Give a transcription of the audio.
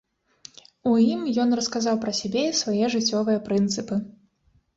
У ім ён расказаў пра сябе і свае жыццёвыя прынцыпы.